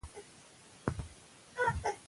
هغه خلک چې خاندي، له نورو سره منل کېږي.